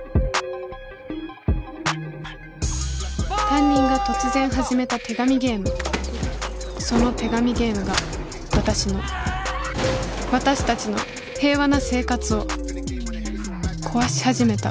担任が突然始めた手紙ゲームその手紙ゲームが私の私達の平和な生活を壊し始めた